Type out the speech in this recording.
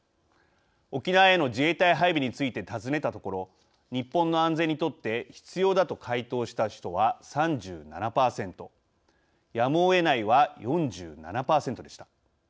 沖縄への自衛隊配備について尋ねたところ日本の安全にとって必要だと回答した人は３７％やむをえないは４７％でした。